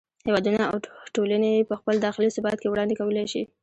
هېوادونه او ټولنې یې په خپل داخلي ثبات کې وړاندې کولای شي.